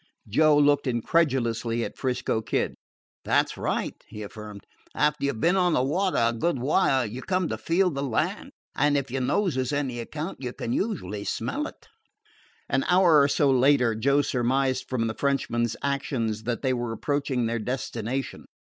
Joe looked incredulously at 'Frisco Kid. "That 's right," he affirmed. "After you 've been on the water a good while you come to feel the land. And if your nose is any account, you can usually smell it." An hour or so later, Joe surmised from the Frenchman's actions that they were approaching their destination.